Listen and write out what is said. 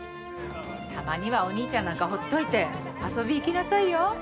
たまにはお兄ちゃんなんか放っておいて遊び行きなさいよ。